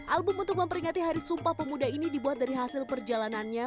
album untuk memperingati hari sumpah pemuda ini dibuat dari hasil perjalanannya